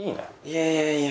いやいやいや。